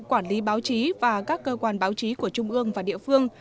quản lý báo chí và các cơ quan báo chí của trung ương và địa phương